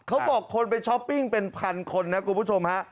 เขาบอกคนไปช้อปปิ้งเป็นพันคนนะคุณผู้ชมฮะ